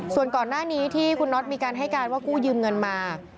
ส่วนก่อนหน้านี้ที่คุณน็อตมีการให้การว่ากู้ยืมเงินมา